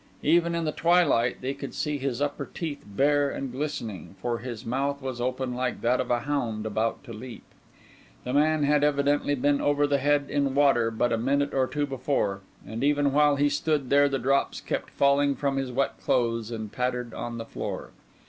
Even in the twilight they could see his upper teeth bare and glistening, for his mouth was open like that of a hound about to leap. The man had evidently been over the head in water but a minute or two before; and even while he stood there the drops kept falling from his wet clothes and pattered on the floor.